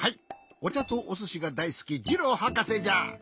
おちゃとおすしがだいすきジローはかせじゃ。